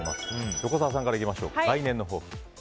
横澤さんからいきましょう。